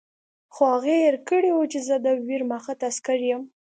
خو هغې هېر کړي وو چې زه د ویرماخت عسکر یم